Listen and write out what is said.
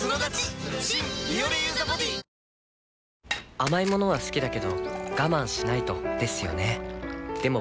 甘い物は好きだけど我慢しないとですよね